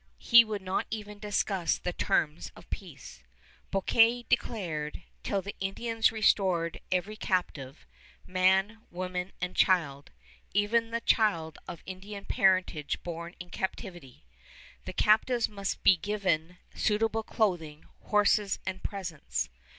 He would not even discuss the terms of peace, Bouquet declared, till the Indians restored every captive, man, woman, and child, even the child of Indian parentage born in captivity. The captives must be given suitable clothing, horses, and presents.